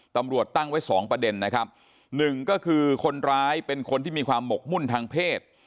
ตำรวจตั้งไว้สองประเด็นนะครับหนึ่งก็คือคนร้ายเป็นคนที่มีความหมกมุ่นทางเพศ